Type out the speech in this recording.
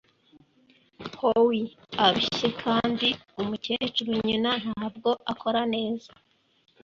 Howie arushye kandi umukecuru, nyina, ntabwo akora neza.